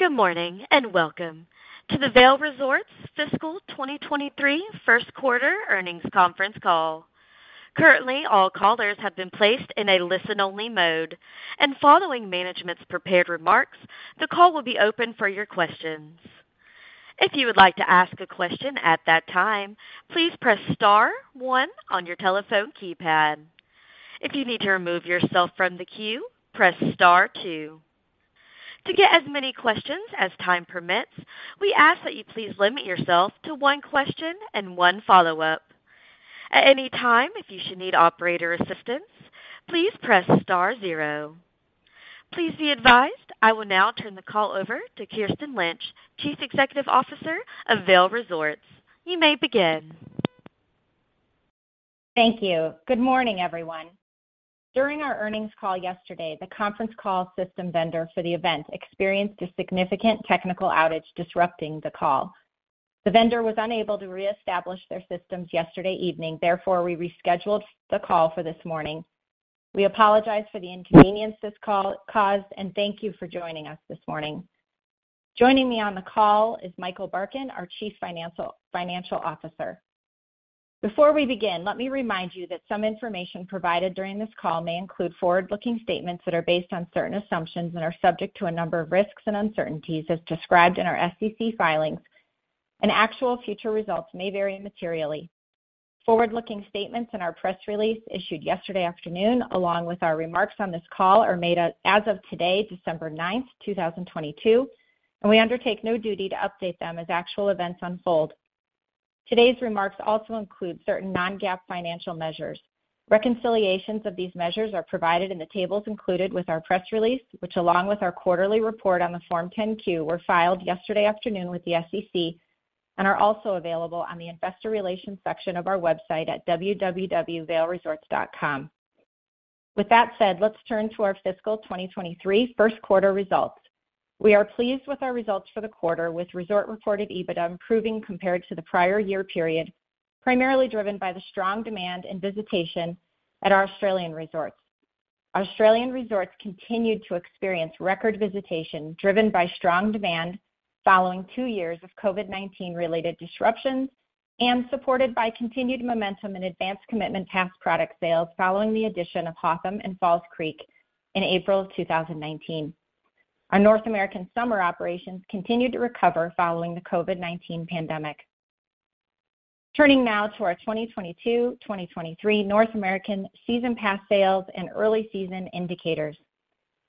Good morning, and welcome to the Vail Resorts Fiscal 2023 First Quarter Earnings conference call. Currently, all callers have been placed in a listen-only mode. Following management's prepared remarks, the call will be open for your questions. If you would like to ask a question at that time, please press star one on your telephone keypad. If you need to remove yourself from the queue, press star two. To get as many questions as time permits, we ask that you please limit yourself to one question and one follow-up. At any time, if you should need operator assistance, please press star zero. Please be advised I will now turn the call over to Kirsten Lynch, Chief Executive Officer of Vail Resorts. You may begin. Thank you. Good morning, everyone. During our earnings call yesterday, the conference call system vendor for the event experienced a significant technical outage disrupting the call. The vendor was unable to reestablish their systems yesterday evening. Therefore, we rescheduled the call for this morning. We apologize for the inconvenience this call caused and thank you for joining us this morning. Joining me on the call is Michael Barkin, our Chief Financial Officer. Before we begin, let me remind you that some information provided during this call may include forward-looking statements that are based on certain assumptions and are subject to a number of risks and uncertainties as described in our SEC filings, and actual future results may vary materially. Forward-looking statements in our press release issued yesterday afternoon, along with our remarks on this call, are made as of today, December 9th, 2022, and we undertake no duty to update them as actual events unfold. Today's remarks also include certain non-GAAP financial measures. Reconciliations of these measures are provided in the tables included with our press release, which along with our quarterly report on the Form 10-Q, were filed yesterday afternoon with the SEC and are also available on the investor relations section of our website at www.vailresorts.com. With that said, let's turn to our fiscal 2023 first quarter results. We are pleased with our results for the quarter, Resort Reported EBITDA improving compared to the prior year period, primarily driven by the strong demand in visitation at our Australian resorts. Australian resorts continued to experience record visitation driven by strong demand following two years of COVID-19 related disruptions and supported by continued momentum in advance commitment pass product sales following the addition of Hotham and Falls Creek in April 2019. Our North American summer operations continued to recover following the COVID-19 pandemic. Turning now to our 2022-2023 North American season pass sales and early season indicators.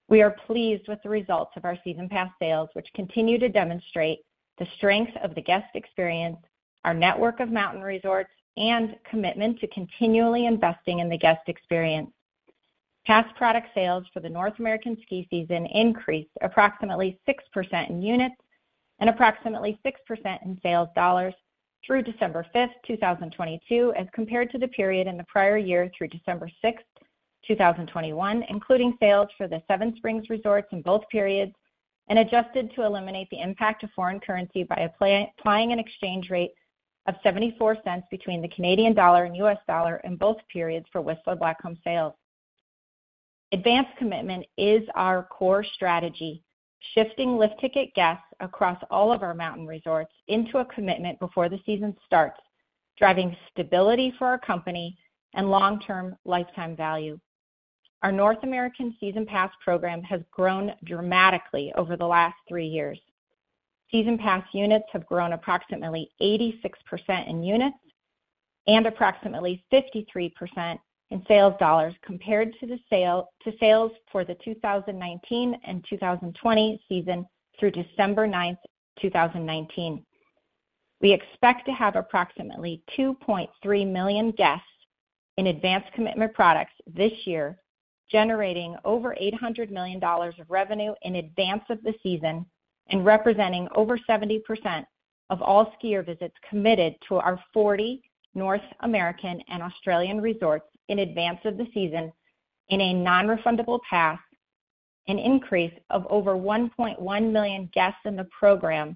We are pleased with the results of our season pass sales, which continue to demonstrate the strength of the guest experience, our network of mountain resorts, and commitment to continually investing in the guest experience. Pass product sales for the North American ski season increased approximately 6% in units and approximately 6% in sales dollars through December 5, 2022, as compared to the period in the prior year through December 6, 2021, including sales for the Seven Springs resorts in both periods and adjusted to eliminate the impact of foreign currency by applying an exchange rate of $0.74 between the Canadian dollar and U.S. dollar in both periods for Whistler Blackcomb sales. Advance commitment is our core strategy, shifting lift ticket guests across all of our mountain resorts into a commitment before the season starts, driving stability for our company and long-term lifetime value. Our North American season pass program has grown dramatically over the last three years. Season pass units have grown approximately 86% in units and approximately 53% in sales dollars compared to sales for the 2019 and 2020 season through December 9, 2019. We expect to have approximately 2.3 million guests in advance commitment products this year, generating over $800 million of revenue in advance of the season and representing over 70% of all skier visits committed to our 40 North American and Australian resorts in advance of the season in a non-refundable pass, an increase of over 1.1 million guests in the program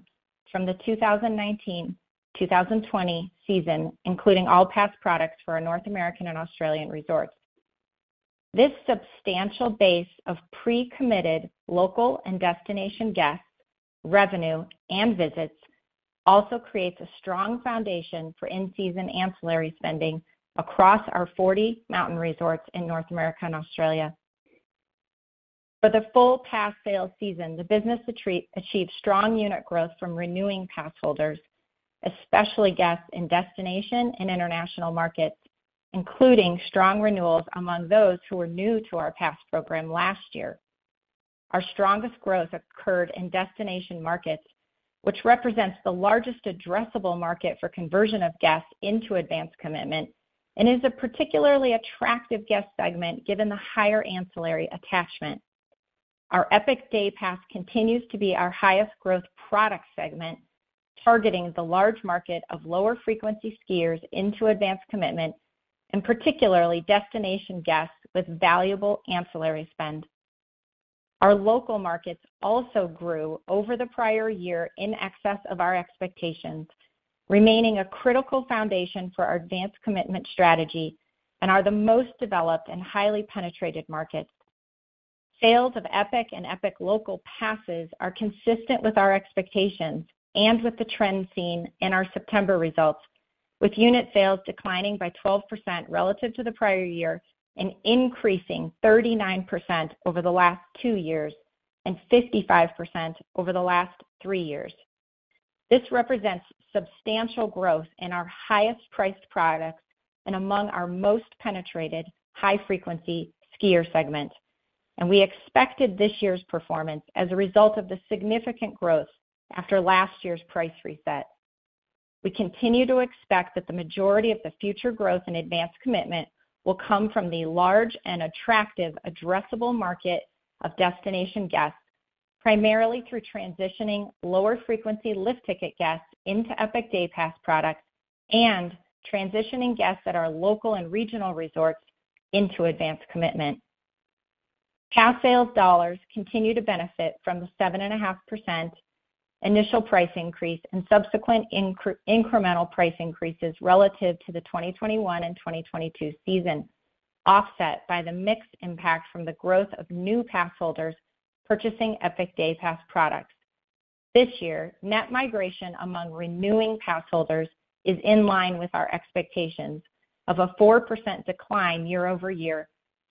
from the 2019, 2020 season, including all pass products for our North American and Australian resorts. This substantial base of pre-committed local and destination guests, revenue, and visits also creates a strong foundation for in-season ancillary spending across our 40 mountain resorts in North America and Australia. For the full pass sale season, the business achieved strong unit growth from renewing pass holders, especially guests in destination and international markets, including strong renewals among those who were new to our pass program last year. Our strongest growth occurred in destination markets, which represents the largest addressable market for conversion of guests into advance commitment and is a particularly attractive guest segment given the higher ancillary attachment. Our Epic Day Pass continues to be our highest growth product segment, targeting the large market of lower frequency skiers into advance commitment and particularly destination guests with valuable ancillary spend. Our local markets also grew over the prior year in excess of our expectations, remaining a critical foundation for our advance commitment strategy. Are the most developed and highly penetrated markets. Sales of Epic Pass and Epic Local Pass are consistent with our expectations and with the trend seen in our September results, with unit sales declining by 12% relative to the prior year and increasing 39% over the last two years and 55% over the last three years. This represents substantial growth in our highest priced products and among our most penetrated high-frequency skier segment. We expected this year's performance as a result of the significant growth after last year's price reset. We continue to expect that the majority of the future growth in advanced commitment will come from the large and attractive addressable market of destination guests, primarily through transitioning lower frequency lift ticket guests into Epic Day Pass products and transitioning guests at our local and regional resorts into advanced commitment. Pass sales dollars continue to benefit from the 7.5% initial price increase and subsequent incremental price increases relative to the 2021 and 2022 season, offset by the mix impact from the growth of new pass holders purchasing Epic Day Pass products. This year, net migration among renewing pass holders is in line with our expectations of a 4% decline year-over-year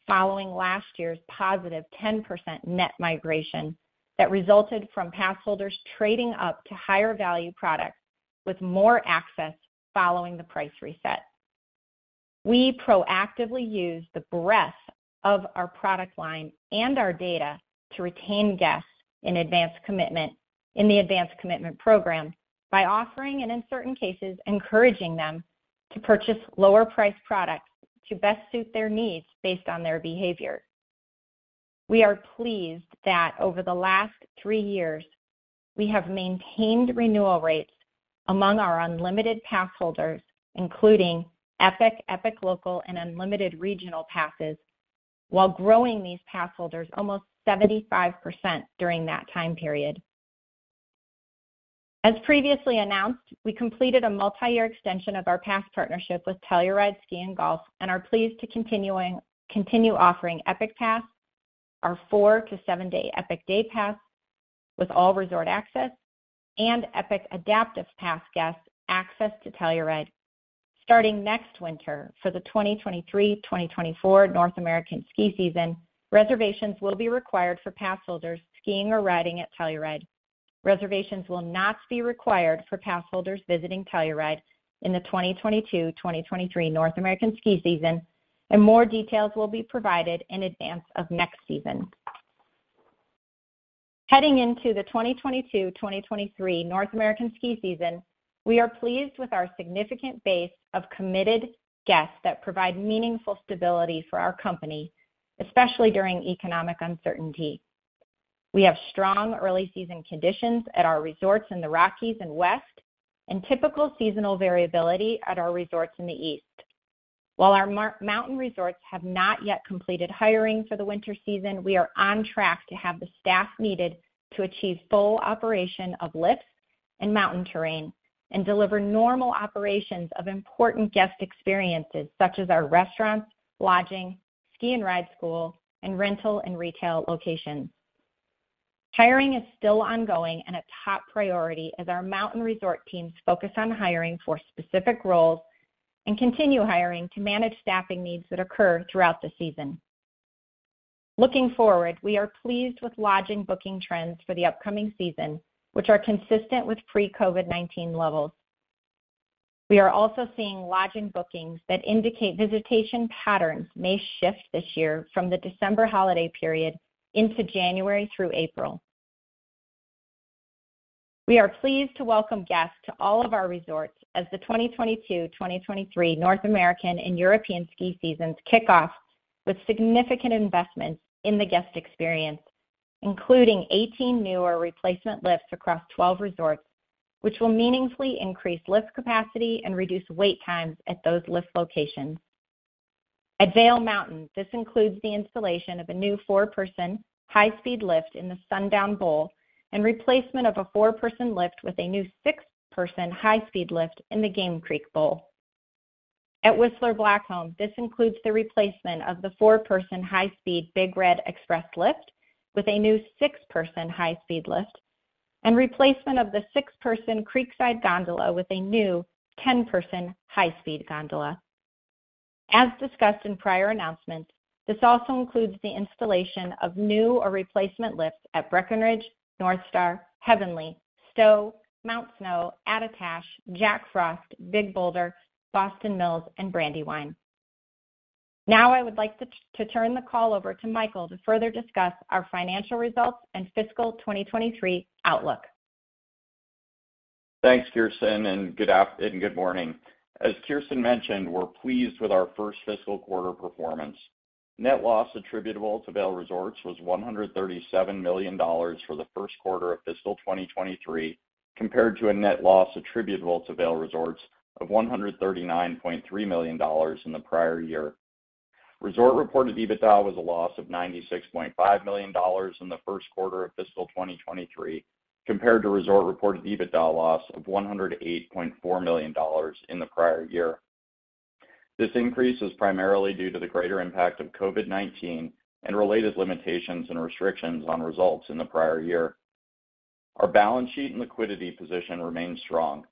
following last year's positive 10% net migration that resulted from pass holders trading up to higher value products with more access following the price reset. We proactively use the breadth of our product line and our data to retain guests in advance commitment in the advanced commitment program by offering and, in certain cases, encouraging them to purchase lower-priced products to best suit their needs based on their behavior. We are pleased that over the last three years, we have maintained renewal rates among our unlimited pass holders, including Epic Local, and Unlimited Regional passes, while growing these pass holders almost 75% during that time period. As previously announced, we completed a multiyear extension of our pass partnership with Telluride Ski & Golf and are pleased to continue offering Epic Pass our four-to-seven-day Epic Day Pass with all resort access and Epic Adaptive Pass guests access to Telluride. Starting next winter for the 2023-2024 North American ski season, reservations will be required for pass holders skiing or riding at Telluride. Reservations will not be required for pass holders visiting Telluride in the 2022-2023 North American ski season. More details will be provided in advance of next season. Heading into the 2022-2023 North American ski season, we are pleased with our significant base of committed guests that provide meaningful stability for our company, especially during economic uncertainty. We have strong early season conditions at our resorts in the Rockies and West and typical seasonal variability at our resorts in the East. While our mountain resorts have not yet completed hiring for the winter season, we are on track to have the staff needed to achieve full operation of lifts and mountain terrain and deliver normal operations of important guest experiences such as our restaurants, lodging, ski and ride school, and rental and retail locations. Hiring is still ongoing and a top priority as our mountain resort teams focus on hiring for specific roles and continue hiring to manage staffing needs that occur throughout the season. Looking forward, we are pleased with lodging booking trends for the upcoming season, which are consistent with pre-COVID-19 levels. We are also seeing lodging bookings that indicate visitation patterns may shift this year from the December holiday period into January through April. We are pleased to welcome guests to all of our resorts as the 2022-2023 North American and European ski seasons kick off with significant investments in the guest experience, including 18 new or replacement lifts across 12 resorts, which will meaningfully increase lift capacity and reduce wait times at those lift locations. At Vail Mountain, this includes the installation of a new four-person high-speed lift in the Sundown Bowl and replacement of a four-person lift with a new six-person high-speed lift in the Game Creek Bowl. At Whistler Blackcomb, this includes the replacement of the four-person high-speed Big Red Express lift with a new six-person high-speed lift and replacement of the six-person Creekside Gondola with a new 10-person high-speed gondola. As discussed in prior announcements, this also includes the installation of new or replacement lifts at Breckenridge, Northstar, Heavenly, Stowe, Mount Snow, Attitash, Jack Frost, Big Boulder, Boston Mills, and Brandywine. I would like to turn the call over to Michael to further discuss our financial results and fiscal 2023 outlook. Thanks, Kirsten, and good morning. As Kirsten mentioned, we're pleased with our first fiscal quarter performance. Net loss attributable to Vail Resorts was $137 million for the first quarter of fiscal 2023, compared to a net loss attributable to Vail Resorts of $139.3 million in the prior year. Resort Reported EBITDA was a loss of $96.5 million in the first quarter of fiscal 2023 compared to Resort Reported EBITDA loss of $108.4 million in the prior year. This increase is primarily due to the greater impact of COVID-19 and related limitations and restrictions on results in the prior year. Our balance sheet and liquidity position remains strong.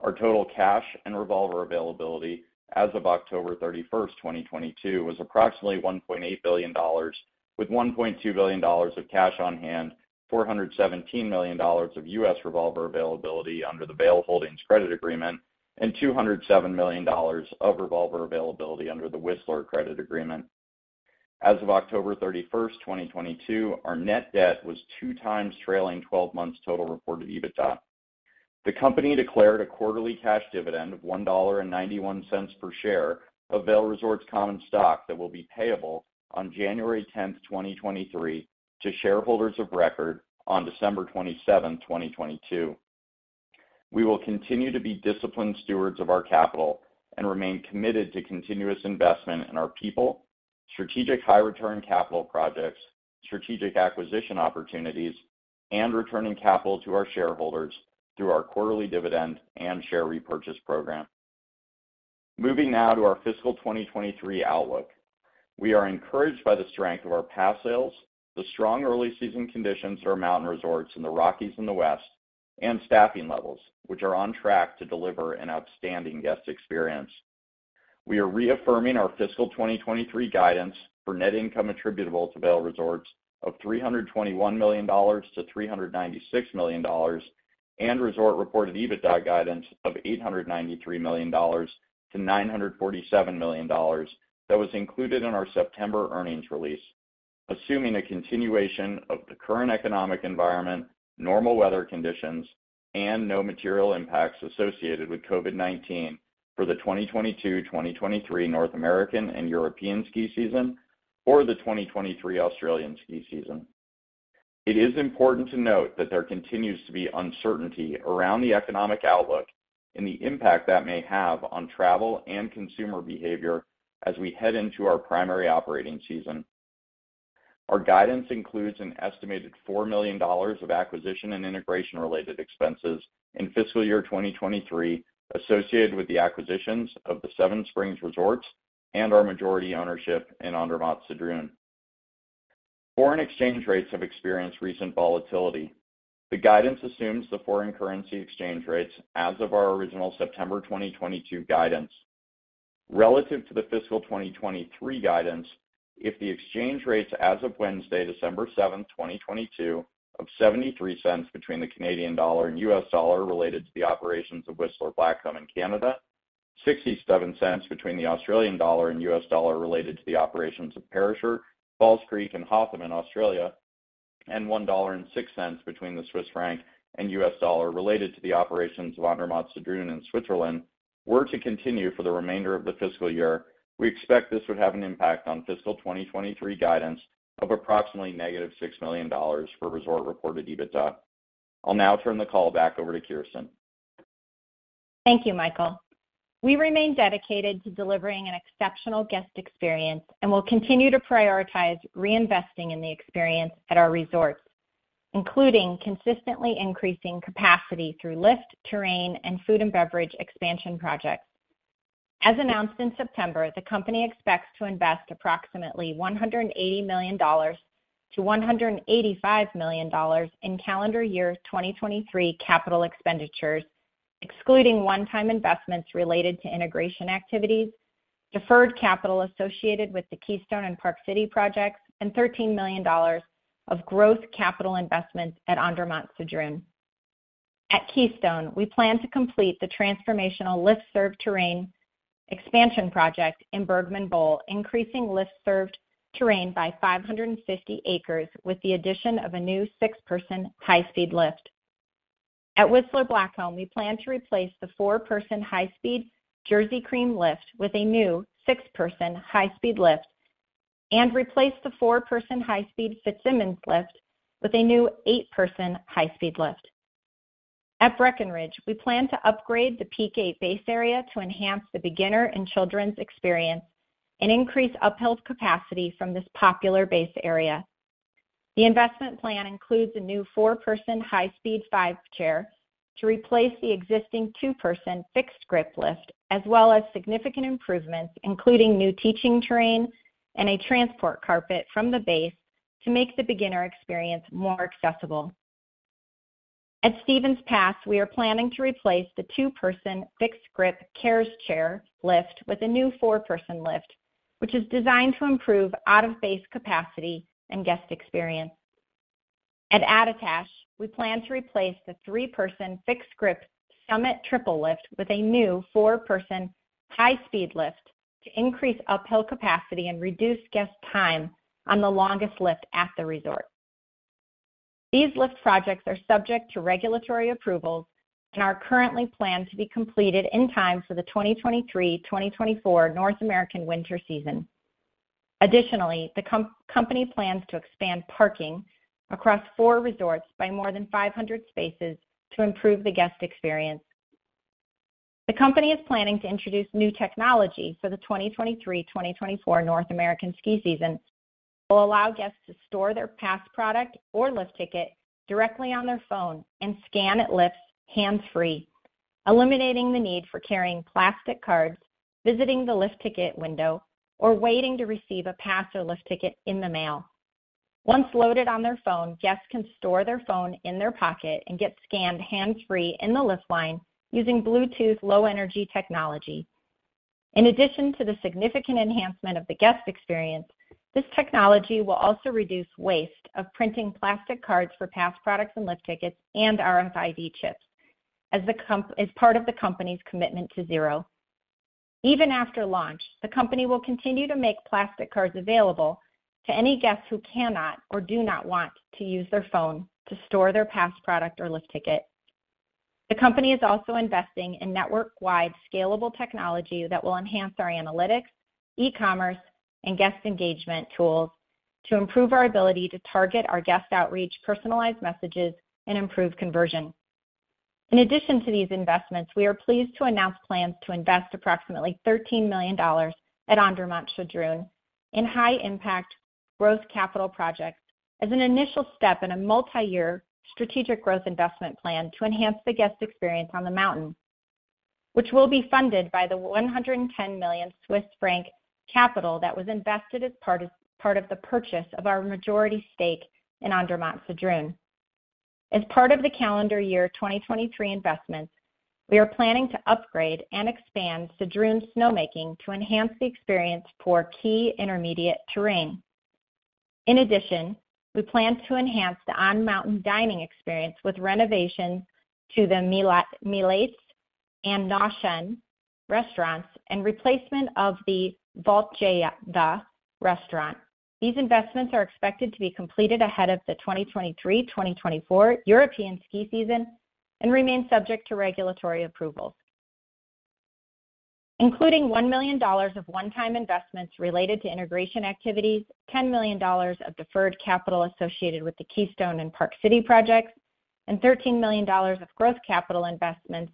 Our total cash and revolver availability as of October 31st, 2022 was approximately $1.8 billion, with $1.2 billion of cash on hand, $417 million of U.S. revolver availability under the Vail Holdings credit agreement, and $207 million of revolver availability under the Whistler credit agreement. As of October 31st, 2022, our net debt was two times trailing twelve months total reported EBITDA. The company declared a quarterly cash dividend of $1.91 per share of Vail Resorts common stock that will be payable on January 10th, 2023 to shareholders of record on December 27th, 2022. We will continue to be disciplined stewards of our capital and remain committed to continuous investment in our people, strategic high return capital projects, strategic acquisition opportunities, and returning capital to our shareholders through our quarterly dividend and share repurchase program. Moving now to our fiscal 2023 outlook. We are encouraged by the strength of our past sales, the strong early season conditions for our mountain resorts in the Rockies and the West, and staffing levels, which are on track to deliver an outstanding guest experience. We are reaffirming our fiscal 2023 guidance for net income attributable to Vail Resorts of $321 million-$396 million and Resort Reported EBITDA guidance of $893 million-$947 million that was included in our September earnings release, assuming a continuation of the current economic environment, normal weather conditions, and no material impacts associated with COVID-19 for the 2022-2023 North American and European ski season or the 2023 Australian ski season. It is important to note that there continues to be uncertainty around the economic outlook and the impact that may have on travel and consumer behavior as we head into our primary operating season. Our guidance includes an estimated $4 million of acquisition and integration related expenses in fiscal year 2023 associated with the acquisitions of the Seven Springs resorts and our majority ownership in Andermatt-Sedrun. Foreign exchange rates have experienced recent volatility. The guidance assumes the foreign currency exchange rates as of our original September 2022 guidance. Relative to the fiscal 2023 guidance, if the exchange rates as of Wednesday, December 7th, 2022 of 0.73 between the Canadian dollar and U.S. dollar related to the operations of Whistler Blackcomb in Canada, 0.67 between the Australian dollar and U.S. dollar related to the operations of Perisher, Falls Creek, and Hotham in Australia, and 1.06 between the Swiss franc and U.S. dollar related to the operations of Andermatt-Sedrun in Switzerland, were to continue for the remainder of the fiscal year, we expect this would have an impact on fiscal 2023 guidance of approximately -$6 million Resort Reported EBITDA. I'll now turn the call back over to Kirsten. Thank you, Michael. We remain dedicated to delivering an exceptional guest experience, and we'll continue to prioritize reinvesting in the experience at our resorts, including consistently increasing capacity through lift, terrain, and food and beverage expansion projects. As announced in September, the company expects to invest approximately $180 million-$185 million in calendar year 2023 capital expenditures, excluding one-time investments related to integration activities, deferred capital associated with the Keystone and Park City projects, and $13 million of growth capital investments at Andermatt-Sedrun. At Keystone, we plan to complete the transformational lift-served terrain expansion project in Bergman Bowl, increasing lift-served terrain by 550 acres with the addition of a new six-person high-speed lift. At Whistler Blackcomb, we plan to replace the four-person high-speed Jersey Cream lift with a new six-person high-speed lift and replace the four-person high-speed Fitzsimmons lift with a new eight-person high-speed lift. At Breckenridge, we plan to upgrade the Peak 8 base area to enhance the beginner and children's experience and increase uphill capacity from this popular base area. The investment plan includes a new four-person high-speed FIVE Chair to replace the existing two-person fixed grip lift, as well as significant improvements, including new teaching terrain and a transport carpet from the base to make the beginner experience more accessible. At Stevens Pass, we are planning to replace the two-person fixed grip Kehr's Chair lift with a new four-person lift, which is designed to improve out-of-base capacity and guest experience. At Attitash, we plan to replace the three-person fixed grip Summit Triple lift with a new four-person high-speed lift to increase uphill capacity and reduce guest time on the longest lift at the resort. These lift projects are subject to regulatory approvals and are currently planned to be completed in time for the 2023-2024 North American winter season. Additionally, the company plans to expand parking across four resorts by more than 500 spaces to improve the guest experience. The company is planning to introduce new technology for the 2023-2024 North American ski season that will allow guests to store their pass product or lift ticket directly on their phone and scan at lifts hands-free, eliminating the need for carrying plastic cards, visiting the lift ticket window, or waiting to receive a pass or lift ticket in the mail. Once loaded on their phone, guests can store their phone in their pocket and get scanned hands-free in the lift line using Bluetooth Low Energy technology. In addition to the significant enhancement of the guest experience, this technology will also reduce waste of printing plastic cards for pass products and lift tickets and RFID chips as part of the company's Commitment to Zero. Even after launch, the company will continue to make plastic cards available to any guests who cannot or do not want to use their phone to store their pass product or lift ticket. The company is also investing in network-wide scalable technology that will enhance our analytics, e-commerce, and guest engagement tools to improve our ability to target our guest outreach personalized messages and improve conversion. In addition to these investments, we are pleased to announce plans to invest approximately $13 million at Andermatt-Sedrun in high impact growth capital projects as an initial step in a multi-year strategic growth investment plan to enhance the guest experience on the mountain, which will be funded by the 110 million Swiss franc capital that was invested as part of the purchase of our majority stake in Andermatt-Sedrun. As part of the calendar year 2023 investments, we are planning to upgrade and expand Sedrun's snowmaking to enhance the experience for key intermediate terrain. In addition, we plan to enhance the on-mountain dining experience with renovations to the Milés and Nätschen restaurants and replacement of the Valtgeva restaurant. These investments are expected to be completed ahead of the 2023-2024 European ski season and remain subject to regulatory approvals. Including $1 million of one-time investments related to integration activities, $10 million of deferred capital associated with the Keystone and Park City projects, and $13 million of growth capital investments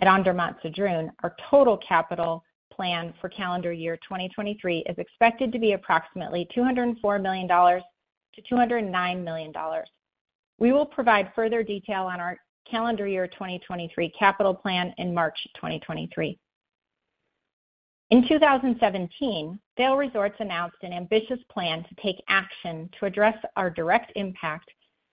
at Andermatt-Sedrun, our total capital plan for calendar year 2023 is expected to be approximately $204 million-$209 million. We will provide further detail on our calendar year 2023 capital plan in March 2023. In 2017, Vail Resorts announced an ambitious plan to take action to address our direct impact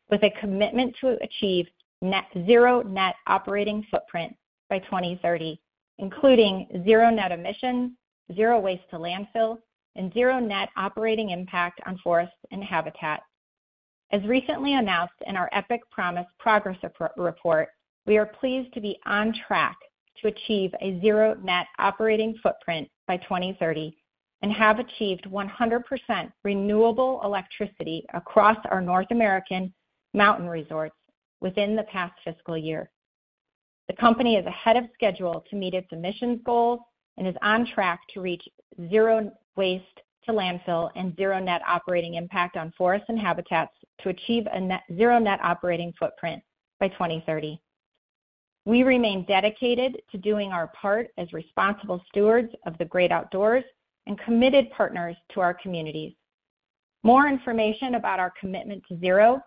with a commitment to achieve Net Zero, Net Operating footprint by 2030, including Zero Net Emissions, Zero Waste to Landfil, and Zero Net Operating Impact on Forests and Habitat. As recently announced in our EpicPromise Progress Report, we are pleased to be on track to achieve a Zero Net Operating footprint by 2030 and have achieved 100% renewable electricity across our North American mountain resorts within the past fiscal year. The company is ahead of schedule to meet its emissions goals and is on track to reach Zero Waste to Landfil and Zero Net Operating impact on forests and habitats to achieve a Zero Net Operating footprint by 2030. We remain dedicated to doing our part as responsible stewards of the great outdoors and committed partners to our communities. More information about our Commitment to Zero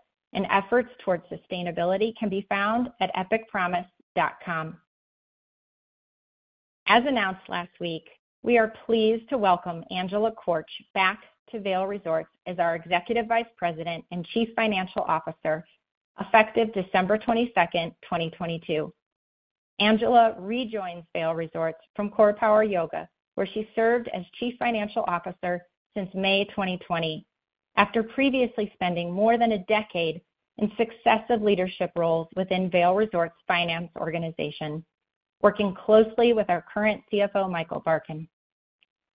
and efforts towards sustainability can be found at epicpromise.com.As announced last week, we are pleased to welcome Angela Korch back to Vail Resorts as our Executive Vice President and Chief Financial Officer effective December 22, 2022. Angela rejoins Vail Resorts from CorePower Yoga, where she served as Chief Financial Officer since May 2020 after previously spending more than a decade in successive leadership roles within Vail Resorts' finance organization, working closely with our current CFO, Michael Barkin.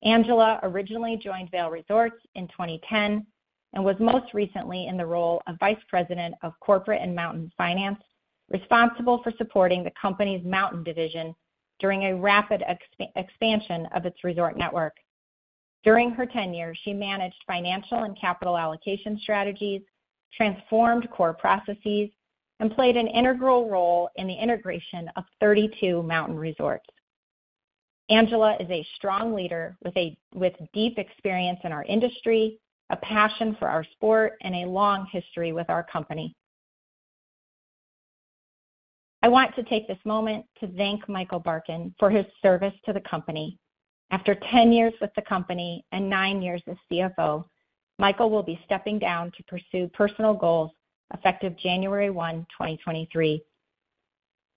Angela originally joined Vail Resorts in 2010 and was most recently in the role of Vice President of Corporate and Mountain Finance, responsible for supporting the company's mountain division during a rapid expansion of its resort network. During her tenure, she managed financial and capital allocation strategies, transformed core processes, and played an integral role in the integration of 32 mountain resorts. Angela is a strong leader with deep experience in our industry, a passion for our sport, and a long history with our company. I want to take this moment to thank Michael Barkin for his service to the company. After 10 years with the company and nine years as CFO, Michael will be stepping down to pursue personal goals effective January 1, 2023.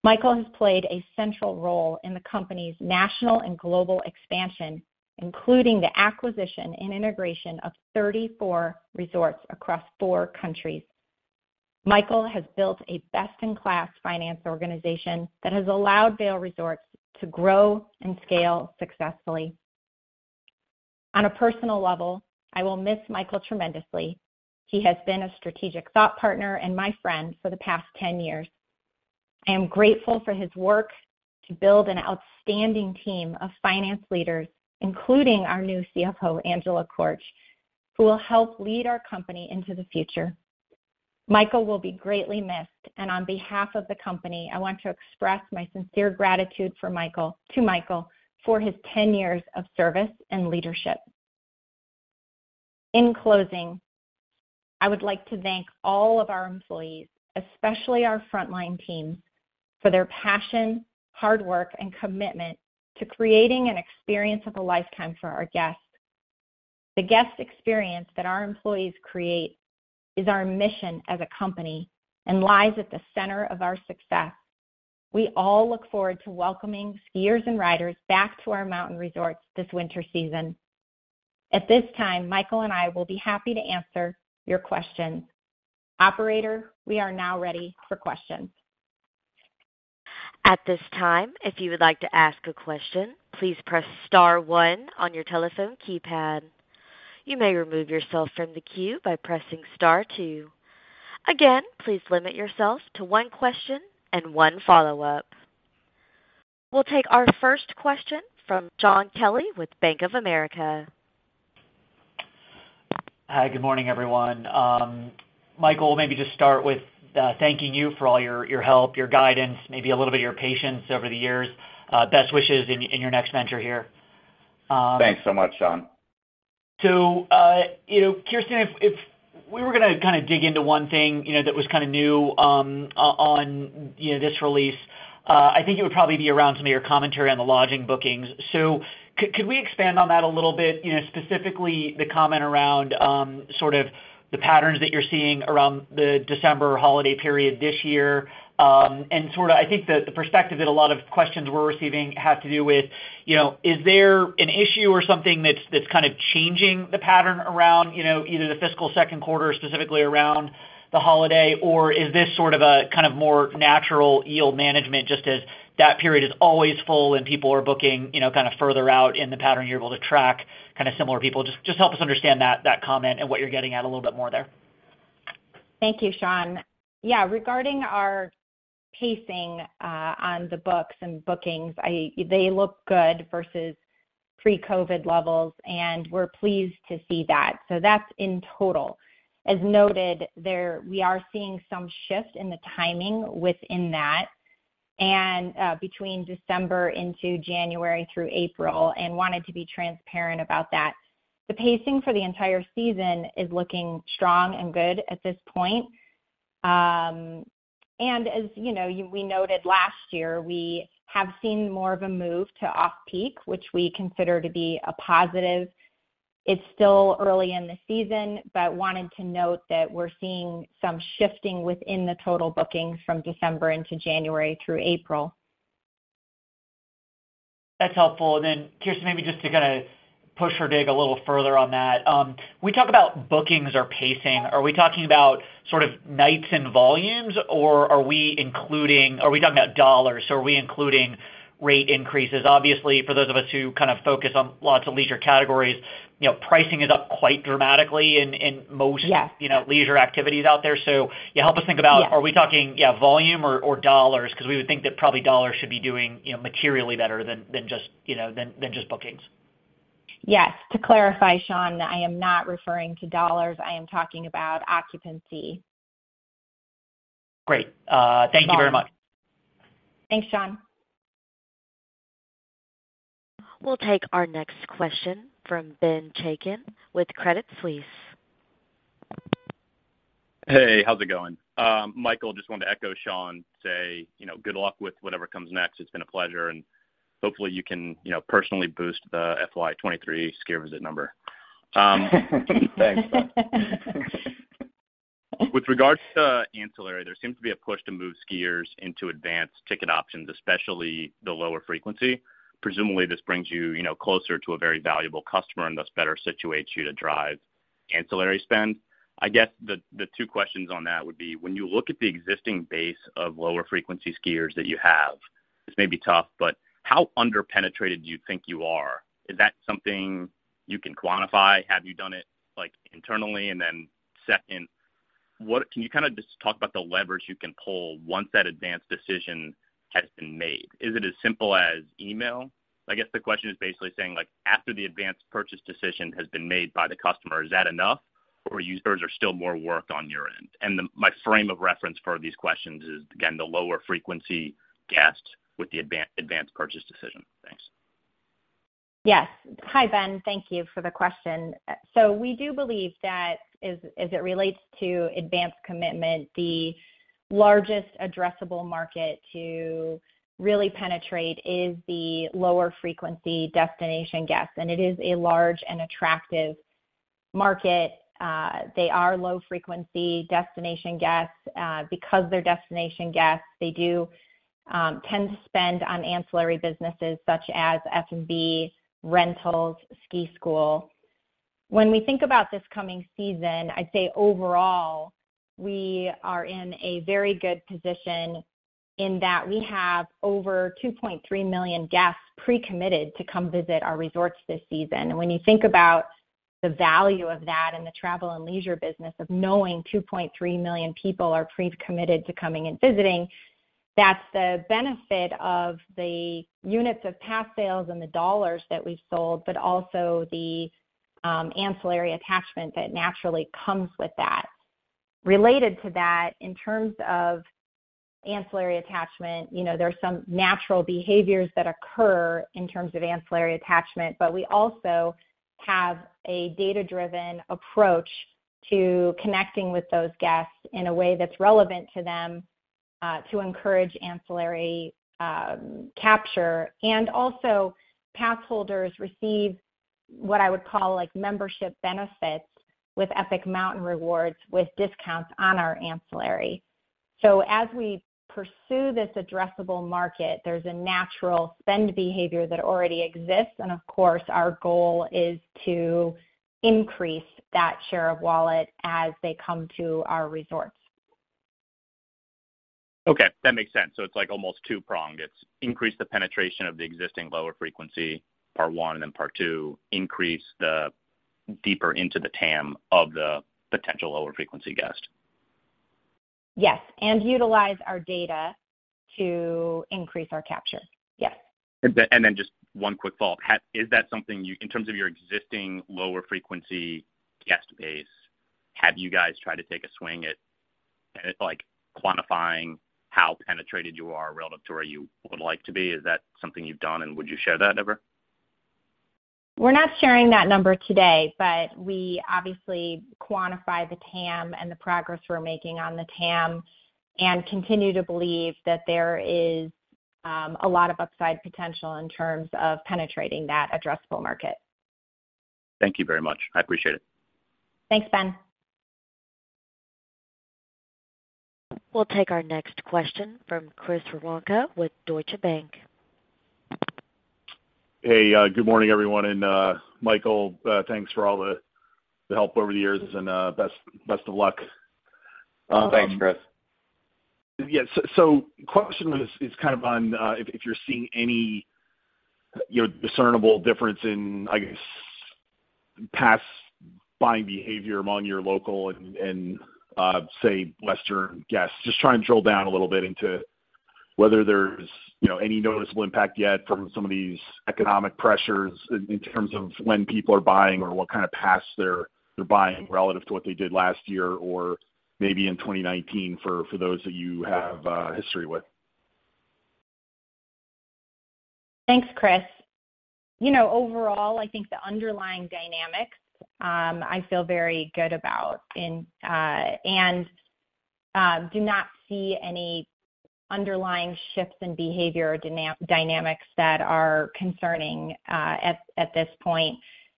Michael has played a central role in the company's national and global expansion, including the acquisition and integration of 34 resorts across four countries. Michael has built a best-in-class finance organization that has allowed Vail Resorts to grow and scale successfully. On a personal level, I will miss Michael tremendously. He has been a strategic thought partner and my friend for the past 10 years. I am grateful for his work to build an outstanding team of finance leaders, including our new CFO, Angela Korch, who will help lead our company into the future. Michael will be greatly missed. On behalf of the company, I want to express my sincere gratitude to Michael for his 10 years of service and leadership. In closing, I would like to thank all of our employees, especially our frontline team, for their passion, hard work, and commitment to creating an experience of a lifetime for our guests. The guest experience that our employees create is our mission as a company and lies at the center of our success. We all look forward to welcoming skiers and riders back to our mountain resorts this winter season. At this time, Michael and I will be happy to answer your questions. Operator, we are now ready for questions. At this time, if you would like to ask a question, please press star one on your telephone keypad. You may remove yourself from the queue by pressing star two. Again, please limit yourself to one question and one follow-up. We'll take our first question from Shaun Kelley with Bank of America. Hi. Good morning, everyone. Michael, maybe just start with thanking you for all your help, your guidance, maybe a little bit of your patience over the years. Best wishes in your next venture here. Thanks so much, Shaun. You know, Kirsten, if we were gonna kinda dig into one thing, you know, that was kinda new, on, you know, this release, I think it would probably be around some of your commentary on the lodging bookings. Could we expand on that a little bit, you know, specifically the comment around sort of the patterns that you're seeing around the December holiday period this year, and sort of I think the perspective that a lot of questions we're receiving have to do with, you know, is there an issue or something that's kind of changing the pattern around, you know, either the fiscal second quarter, specifically around the holiday, or is this sort of a kind of more natural yield management, just as that period is always full and people are booking, you know, kind of further out in the pattern you're able to track kind of similar people? Just help us understand that comment and what you're getting at a little bit more there. Thank you, Shaun. Yeah. Regarding our pacing on the books and bookings, they look good versus pre-COVID levels, and we're pleased to see that. That's in total. As noted there, we are seeing some shift in the timing within that between December into January through April and wanted to be transparent about that. The pacing for the entire season is looking strong and good at this point. As, you know, we noted last year, we have seen more of a move to off-peak, which we consider to be a positive. It's still early in the season, but wanted to note that we're seeing some shifting within the total bookings from December into January through April. That's helpful. Then, Kirsten, maybe just to kinda push or dig a little further on that. When we talk about bookings or pacing, are we talking about sort of nights and volumes, or are we talking about dollars? Are we including rate increases? Obviously, for those of us who kind of focus on lots of leisure categories, you know, pricing is up quite dramatically in most. Yes. you know, leisure activities out there. Yeah, help us think about are we talking, yeah, volume or dollars? 'Cause we would think that probably dollars should be doing, you know, materially better than just, you know, than just bookings. Yes. To clarify, Shaun, I am not referring to dollars. I am talking about occupancy. Great. Thank you very much. Thanks, Shaun. We'll take our next question from Ben Chaiken with Credit Suisse. Hey, how's it going? Michael, just wanted to echo Shaun, say, you know, good luck with whatever comes next. It's been a pleasure, and hopefully, you can, you know, personally boost the FY 2023 skier visit number. With regards to ancillary, there seems to be a push to move skiers into advanced ticket options, especially the lower frequency. Presumably, this brings you know, closer to a very valuable customer and thus better situates you to drive ancillary spend. I guess the two questions on that would be when you look at the existing base of lower frequency skiers that you have, this may be tough, but how underpenetrated do you think you are? Is that something you can quantify? Have you done it, like, internally? Second, what can you kinda just talk about the leverage you can pull once that advanced decision has been made? Is it as simple as email? I guess the question is basically saying, like, after the advanced purchase decision has been made by the customer, is that enough or users are still more work on your end? My frame of reference for these questions is, again, the lower frequency guest with the advanced purchase decision. Thanks. Yes. Hi, Ben. Thank you for the question. We do believe that as it relates to advanced commitment, the largest addressable market to really penetrate is the lower frequency destination guests, and it is a large and attractive market. They are low frequency destination guests. Because they're destination guests, they do tend to spend on ancillary businesses such as F&B, rentals, ski school. When we think about this coming season, I'd say overall, we are in a very good position in that we have over 2.3 million guests pre-committed to come visit our resorts this season. When you think about the value of that in the travel and leisure business of knowing 2.3 million people are pre-committed to coming and visiting. That's the benefit of the units of pass sales and the dollars that we've sold, but also the ancillary attachment that naturally comes with that. Related to that, in terms of ancillary attachment, you know, there are some natural behaviors that occur in terms of ancillary attachment, but we also have a data-driven approach to connecting with those guests in a way that's relevant to them, to encourage ancillary capture. Also, pass holders receive what I would call like membership benefits with Epic Mountain Rewards with discounts on our ancillary. As we pursue this addressable market, there's a natural spend behavior that already exists. Of course, our goal is to increase that share of wallet as they come to our resorts. Okay, that makes sense. It's like almost two-pronged. It's increase the penetration of the existing lower frequency, part one, and then part two, increase the deeper into the TAM of the potential lower frequency guest. Yes. Utilize our data to increase our capture. Yes. Just one quick follow-up. Is that something in terms of your existing lower frequency guest base, have you guys tried to take a swing at, like, quantifying how penetrated you are relative to where you would like to be? Is that something you've done, and would you share that number? We're not sharing that number today, but we obviously quantify the TAM and the progress we're making on the TAM and continue to believe that there is a lot of upside potential in terms of penetrating that addressable market. Thank you very much. I appreciate it. Thanks, Ben. We'll take our next question from Chris Woronka with Deutsche Bank. Hey, good morning, everyone. Michael, thanks for all the help over the years and, best of luck. Thanks, Chris. Question is kind of on, if you're seeing any, you know, discernible difference in, I guess, pass buying behavior among your local and say, western guests. Just trying to drill down a little bit into whether there's, you know, any noticeable impact yet from some of these economic pressures in terms of when people are buying or what kind of pass they're buying relative to what they did last year or maybe in 2019 for those that you have history with. Thanks, Chris. You know, overall, I think the underlying dynamics, I feel very good about and do not see any underlying shifts in behavior or dynamics that are concerning at this point.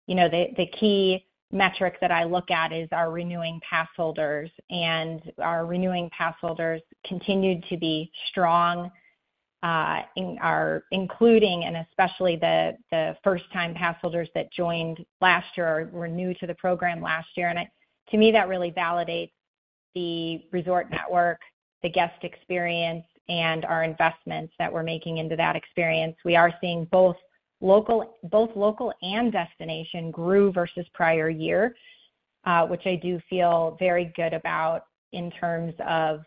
You know, the key metric that I look at is our renewing pass holders, and our renewing pass holders continued to be strong, including and especially the first-time pass holders that joined last year or were new to the program last year. To me, that really validates the resort network, the guest experience, and our investments that we're making into that experience. We are seeing both local and destination grew versus prior year, which I do feel very good about in terms of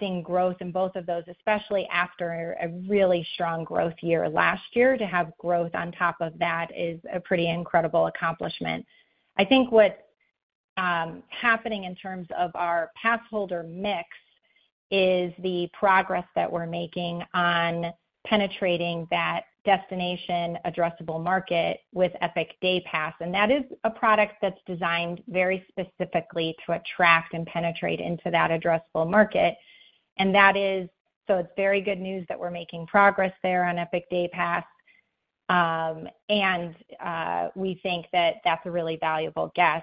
seeing growth in both of those, especially after a really strong growth year last year. To have growth on top of that is a pretty incredible accomplishment. I think what's happening in terms of our passholder mix is the progress that we're making on penetrating that destination addressable market with Epic Day Pass. That is a product that's designed very specifically to attract and penetrate into that addressable market. It's very good news that we're making progress there on Epic Day Pass. We think that that's a really valuable guest.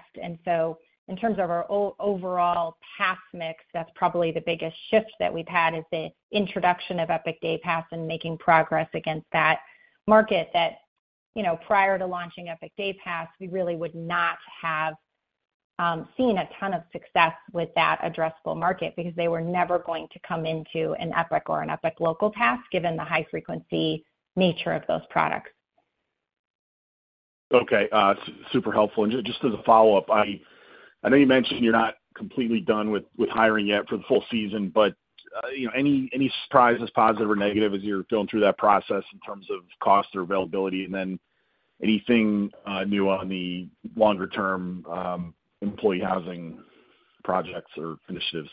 In terms of our overall pass mix, that's probably the biggest shift that we've had is the introduction of Epic Day Pass and making progress against that market that, you know, prior to launching Epic Day Pass, we really would not have seen a ton of success with that addressable market because they were never going to come into an Epic or an Epic Local Pass, given the high frequency nature of those products. Okay. Super helpful. Just as a follow-up, I know you mentioned you're not completely done with hiring yet for the full season, but, you know, any surprises, positive or negative, as you're going through that process in terms of cost or availability? Then anything new on the longer-term employee housing projects or initiatives?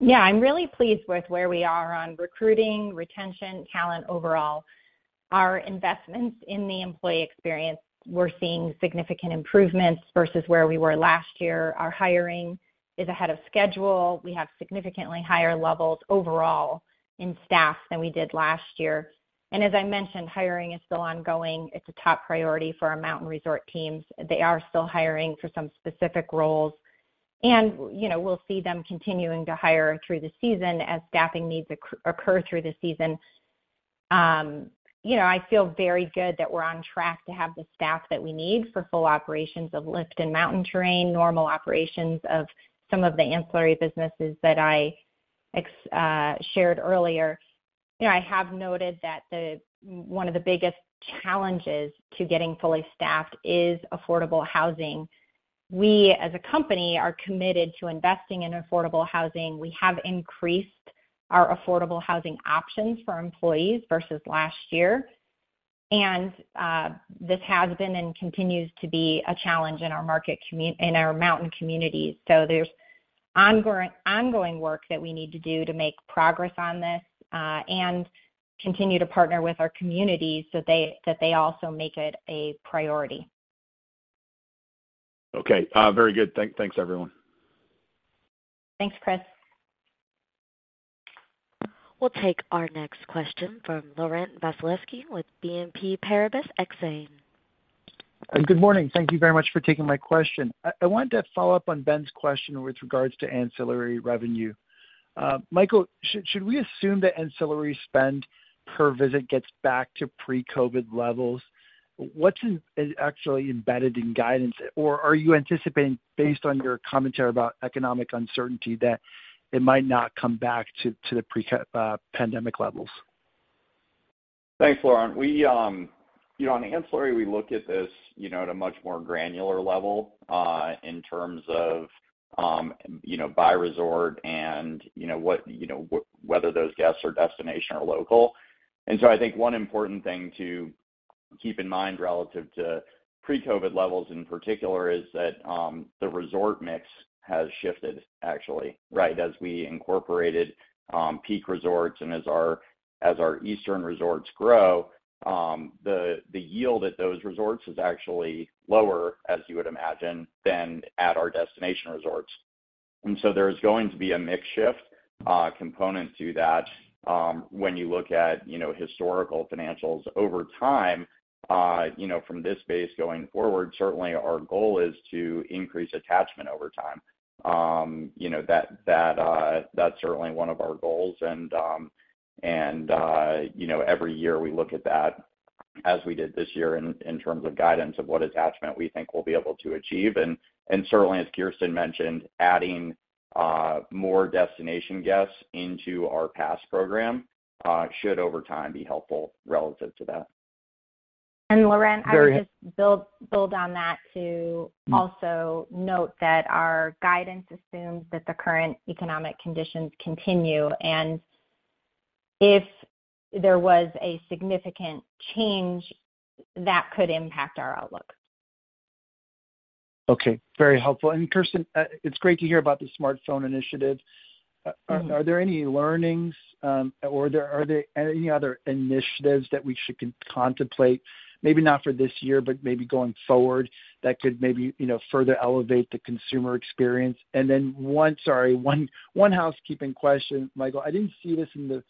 Yeah, I'm really pleased with where we are on recruiting, retention, talent overall. Our investments in the employee experience, we're seeing significant improvements versus where we were last year. Our hiring is ahead of schedule. We have significantly higher levels overall in staff than we did last year. As I mentioned, hiring is still ongoing. It's a top priority for our mountain resort teams. They are still hiring for some specific roles. You know, we'll see them continuing to hire through the season as staffing needs occur through the season. You know, I feel very good that we're on track to have the staff that we need for full operations of lift and mountain terrain, normal operations of some of the ancillary businesses that I shared earlier. You know, I have noted that one of the biggest challenges to getting fully staffed is affordable housing. We as a company are committed to investing in affordable housing. We have increased our affordable housing options for employees versus last year. This has been and continues to be a challenge in our market in our mountain communities. There's ongoing work that we need to do to make progress on this and continue to partner with our communities so that they also make it a priority. Okay. very good. Thanks, everyone. Thanks, Chris. We'll take our next question from Laurent Vasilescu with BNP Paribas Exane. Good morning. Thank you very much for taking my question. I wanted to follow up on Ben's question with regards to ancillary revenue. Michael, should we assume that ancillary spend per visit gets back to pre-COVID levels? What is actually embedded in guidance? Or are you anticipating based on your commentary about economic uncertainty that it might not come back to the pre-pandemic levels? Thanks, Laurent. We, you know, on ancillary, we look at this, you know, at a much more granular level, in terms of, you know, by resort and, you know, what, you know, whether those guests are destination or local. I think one important thing to keep in mind relative to pre-COVID levels in particular is that the resort mix has shifted actually, right? As we incorporated Peak Resorts and as our eastern resorts grow, the yield at those resorts is actually lower, as you would imagine, than at our destination resorts. There's going to be a mix shift component to that when you look at, you know, historical financials over time. You know, from this space going forward, certainly our goal is to increase attachment over time. You know, that's certainly one of our goals. You know, every year we look at that as we did this year in terms of guidance of what attachment we think we'll be able to achieve. Certainly, as Kirsten mentioned, adding more destination guests into our pass program should over time be helpful relative to that. Laurent, I would just build on that to also note that our guidance assumes that the current economic conditions continue. If there was a significant change, that could impact our outlook. Okay. Very helpful. Kirsten, it's great to hear about the smartphone initiative. Are there any learnings, or are there any other initiatives that we should contemplate, maybe not for this year, but maybe going forward that could maybe, you know, further elevate the consumer experience? Then sorry, one housekeeping question, Michael. I didn't see this in the,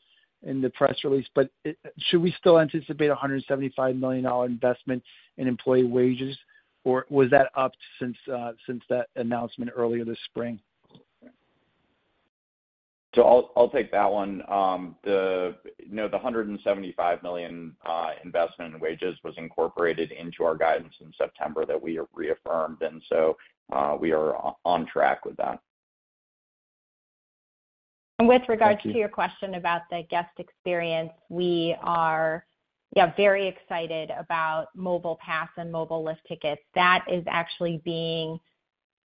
in the press release, but should we still anticipate a $175 million investment in employee wages, or was that upped since that announcement earlier this spring? I'll take that one. No, the $175 million investment in wages was incorporated into our guidance in September that we reaffirmed, we are on track with that. With regard to your question about the guest experience, we are, yeah, very excited about mobile pass and mobile lift tickets. That is actually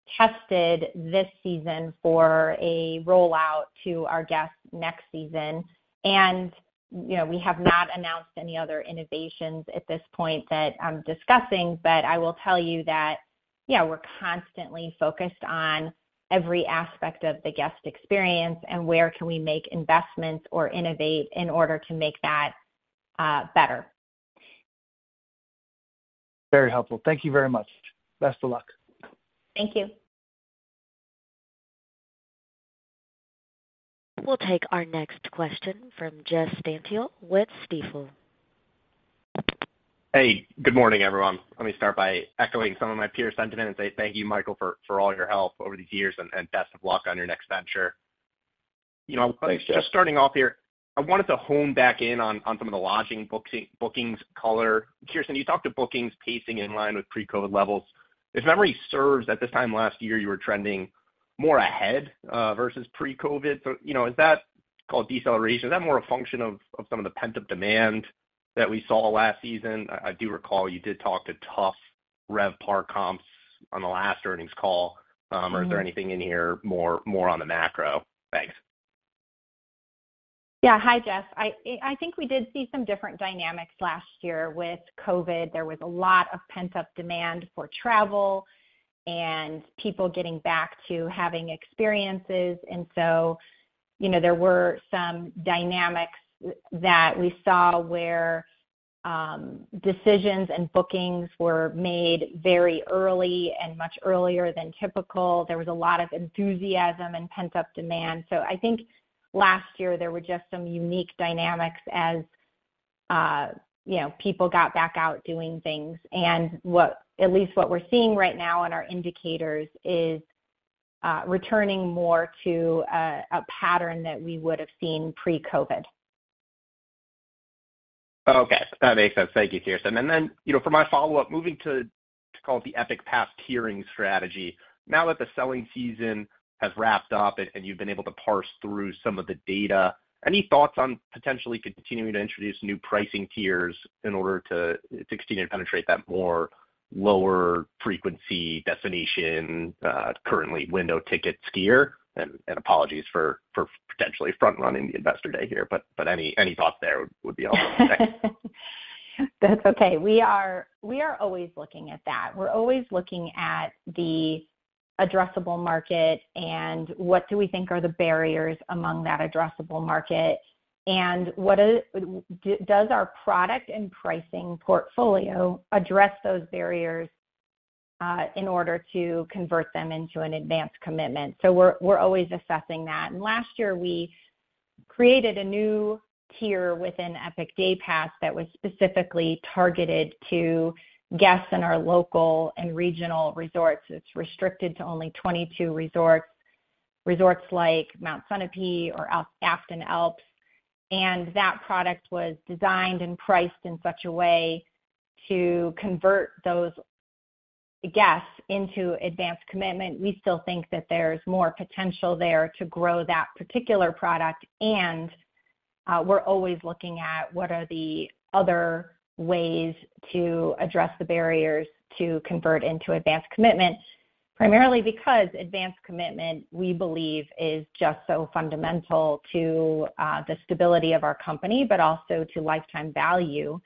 being tested this season for a rollout to our guests next season. You know, we have not announced any other innovations at this point that I'm discussing, but I will tell you that, yeah, we're constantly focused on every aspect of the guest experience and where can we make investments or innovate in order to make that better. Very helpful. Thank you very much. Best of luck. Thank you. We'll take our next question from Jeff Stantial with Stifel. Hey, good morning, everyone. Let me start by echoing some of my peers' sentiment and say thank you, Michael, for all your help over the years and best of luck on your next venture. Thanks, Jeff. You know, just starting off here, I wanted to hone back in on some of the lodging booking, bookings color. Kirsten, you talked to bookings pacing in line with pre-COVID levels. If memory serves, at this time last year, you were trending more ahead versus pre-COVID. You know, is that called deceleration? Is that more a function of some of the pent-up demand that we saw last season? I do recall you did talk to tough RevPAR comps on the last earnings call. Is there anything in here more on the macro? Thanks. Yeah. Hi, Jeff. I think we did see some different dynamics last year with COVID. There was a lot of pent-up demand for travel and people getting back to having experiences. You know, there were some dynamics that we saw where decisions and bookings were made very early and much earlier than typical. There was a lot of enthusiasm and pent-up demand. I think last year there were just some unique dynamics as, you know, people got back out doing things. At least what we're seeing right now in our indicators is returning more to a pattern that we would have seen pre-COVID. Okay, that makes sense. Thank you, Kirsten. Then, you know, for my follow-up, moving to call it the Epic Pass tiering strategy. Now that the selling season has wrapped up and you've been able to parse through some of the data, any thoughts on potentially continuing to introduce new pricing tiers in order to continue to penetrate that more lower frequency destination, currently window ticket skier? Apologies for potentially front running the Investor Day here, but any thoughts there would be awesome. Thanks. That's okay. We are always looking at that. We're always looking at the addressable market and what do we think are the barriers among that addressable market and what is. Does our product and pricing portfolio address those barriers in order to convert them into an advanced commitment? We're always assessing that. Last year we created a new tier within Epic Day Pass that was specifically targeted to guests in our local and regional resorts. It's restricted to only 22 resorts. Resorts like Mount Sunapee or Afton Alps. That product was designed and priced in such a way to convert those guests into advanced commitment. We still think that there's more potential there to grow that particular product. We're always looking at what are the other ways to address the barriers to convert into advanced commitment, primarily because advanced commitment, we believe is just so fundamental to the stability of our company, but also to lifetime value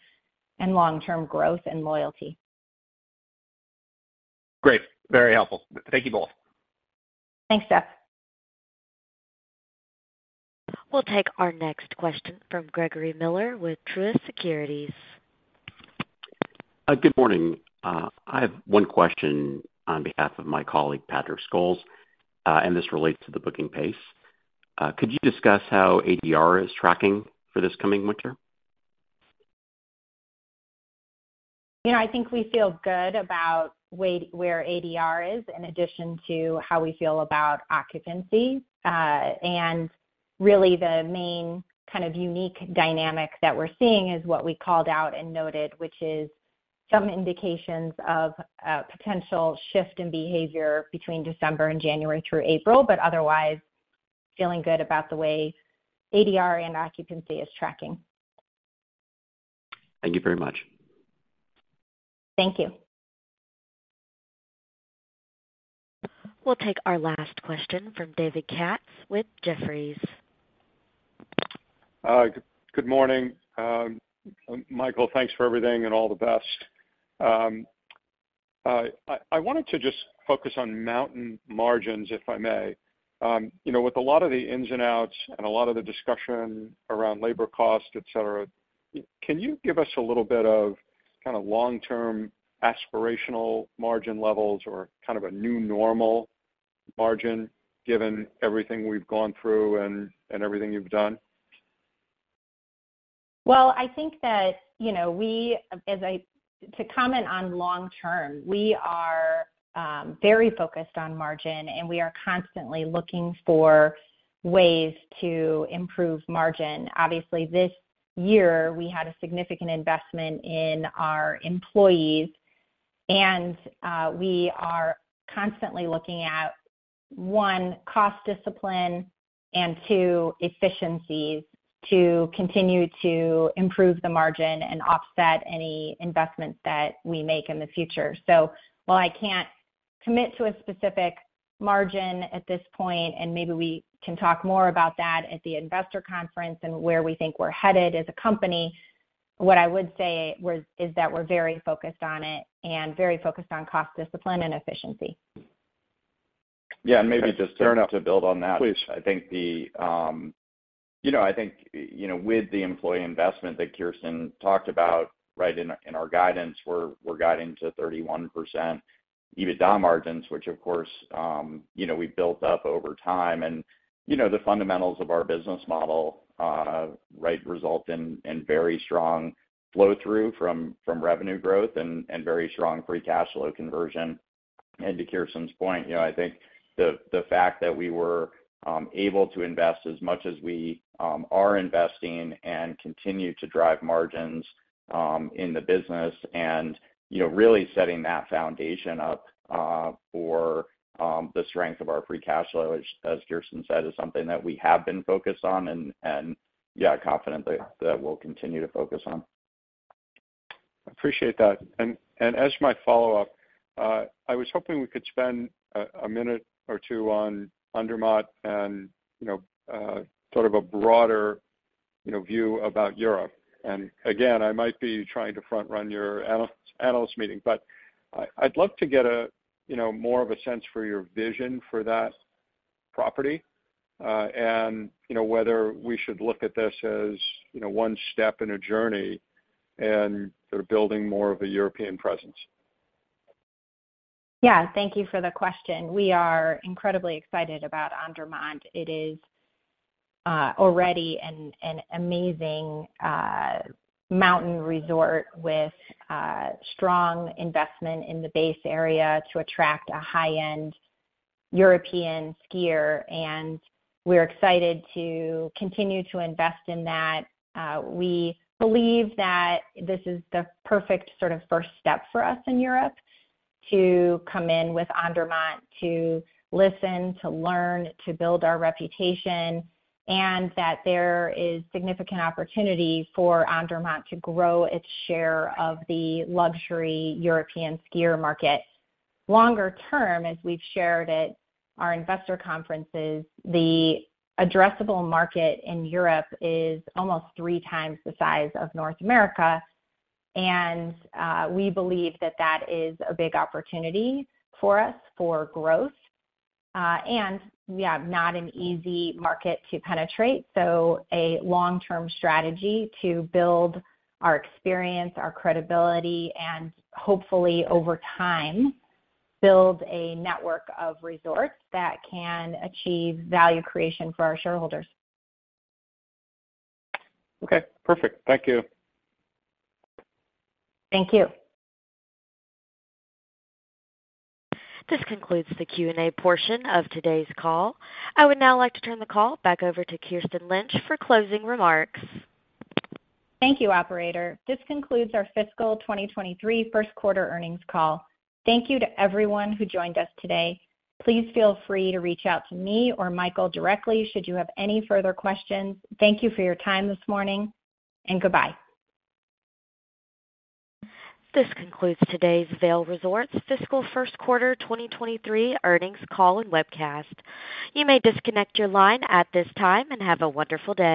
and long-term growth and loyalty. Great. Very helpful. Thank you both. Thanks, Jeff. We'll take our next question from Gregory Miller with Truist Securities. Good morning. I have one question on behalf of my colleague, Patrick Scholes. This relates to the booking pace. Could you discuss how ADR is tracking for this coming winter? You know, I think we feel good about where ADR is in addition to how we feel about occupancy. Really the main kind of unique dynamic that we're seeing is what we called out and noted, which is some indications of a potential shift in behavior between December and January through April, but otherwise feeling good about the way ADR and occupancy is tracking. Thank you very much. Thank you. We'll take our last question from David Katz with Jefferies. Good morning. Michael, thanks for everything and all the best. I wanted to just focus on mountain margins, if I may. you know, with a lot of the ins and outs and a lot of the discussion around labor costs, et cetera, can you give us a little bit of kinda long-term aspirational margin levels or kind of a new normal margin given everything we've gone through and everything you've done? I think that, you know, to comment on long term, we are very focused on margin, and we are constantly looking for ways to improve margin. Obviously, this year we had a significant investment in our employees, and we are constantly looking at, one, cost discipline, and two, efficiencies to continue to improve the margin and offset any investments that we make in the future. While I can't commit to a specific margin at this point, and maybe we can talk more about that at the investor conference and where we think we're headed as a company, what I would say is that we're very focused on it and very focused on cost discipline and efficiency. Yeah, maybe just to build on that. I think, you know, with the employee investment that Kirsten talked about, right, in our guidance, we're guiding to 31% EBITDA margins, which of course, you know, we've built up over time. You know, the fundamentals of our business model, right, result in very strong flow-through from revenue growth and very strong free cash flow conversion. To Kirsten's point, you know, I think the fact that we were able to invest as much as we are investing and continue to drive margins in the business and, you know, really setting that foundation up for the strength of our free cash flow, as Kirsten said, is something that we have been focused on and yeah, confident that we'll continue to focus on. Appreciate that. As my follow-up, I was hoping we could spend a minute or two on Andermatt-Sedrun and, you know, sort of a broader, you know, view about Europe. Again, I might be trying to front run your analyst meeting, but I'd love to get a, you know, more of a sense for your vision for that property, and, you know, whether we should look at this as, you know, one step in a journey and sort of building more of a European presence. Thank you for the question. We are incredibly excited about Andermatt-Sedrun. It is already an amazing mountain resort with strong investment in the base area to attract a high-end European skier, and we're excited to continue to invest in that. We believe that this is the perfect sort of first step for us in Europe to come in with Andermatt-Sedrun, to listen, to learn, to build our reputation, and that there is significant opportunity for Andermatt-Sedrun to grow its share of the luxury European skier market. Longer term, as we've shared at our investor conferences, the addressable market in Europe is almost 3 times the size of North America, and we believe that is a big opportunity for us for growth. Yeah, not an easy market to penetrate. A long-term strategy to build our experience, our credibility, and hopefully over time, build a network of resorts that can achieve value creation for our shareholders. Okay, perfect. Thank you. Thank you. This concludes the Q&A portion of today's call. I would now like to turn the call back over to Kirsten Lynch for closing remarks. Thank you, operator. This concludes our fiscal 2023 first quarter earnings call. Thank you to everyone who joined us today. Please feel free to reach out to me or Michael directly should you have any further questions. Thank you for your time this morning, and goodbye. This concludes today's Vail Resorts Fiscal First Quarter 2023 Earnings call and webcast. You may disconnect your line at this time. Have a wonderful day.